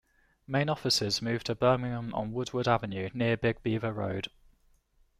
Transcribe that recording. Main offices moved to Birmingham on Woodward Avenue near Big Beaver Road.